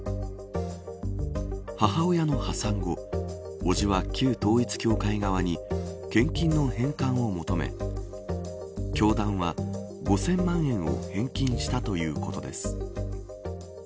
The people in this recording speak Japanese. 母親の破産後母親は旧統一教会側に献金の返還を求め教団は５０００万円を返金したということです。